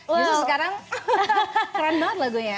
sekarang keren banget lagunya